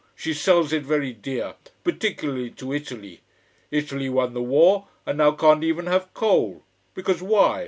She sells it very dear. Particularly to Italy. Italy won the war and now can't even have coal. Because why!